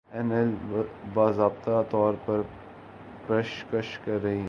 اینایل باضابطہ طور پر پیشکش کر رہی ہے